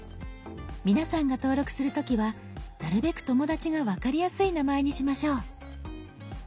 皆さんが登録する時はなるべく友だちが分かりやすい名前にしましょう。